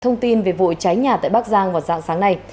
thông tin về vụ cháy nhà tại bắc giang vào dạng sáng nay